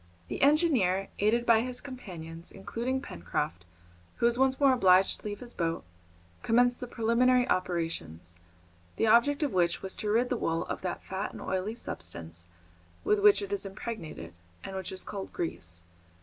The engineer, aided by his companions, including Pencroft, who was once more obliged to leave his boat, commenced the preliminary operations, the object of which was to rid the wool of that fat and oily substance with which it is impregnated, and which is called grease.